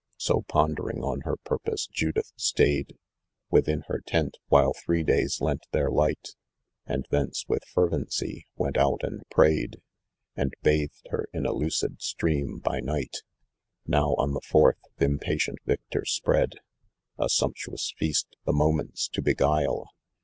So, pondering on her purpose, Judith stayed Within her tent, while three days lent their light * And thence with ferreocy went oat and prayed, And bathed b.er in a lucid itresun by night* 19 Now, on the fourth, th* impatient victor spread A sumptuous feast, the moments to beguile.